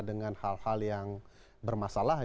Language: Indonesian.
dengan hal hal yang bermasalah